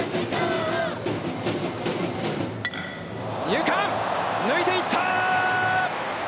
二遊間、抜いていったー！